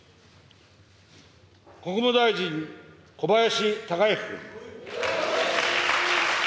国務大臣、小林鷹之君。